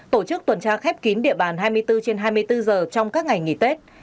tổ chức tuần tra khép kín địa bàn hai mươi bốn trên hai mươi bốn giờ trong các ngày nghỉ tết